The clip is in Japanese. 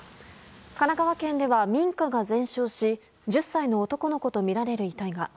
神奈川県では民家が全焼し１０歳の男の子とみられる遺体が。